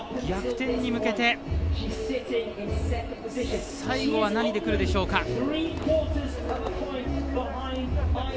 逆転に向けて最後は何でくるでしょうか。